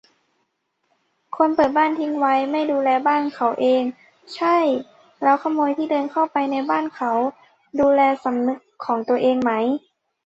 คนเปิดบ้านทิ้งไว้ ไม่ดูแลบ้านเขาเอง ใช่ - แล้วขโมยที่เดินเข้าไปในบ้านเขา ดูแลสำนึกของตัวเองไหม ?